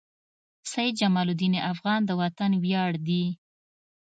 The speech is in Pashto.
سيد جمال الدین افغان د وطن وياړ دي.